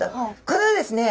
これはですね